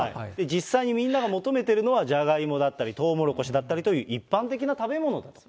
実際にみんなが求めているのは、ジャガイモだったり、トウモロコシだったりという一般的な食べ物だと。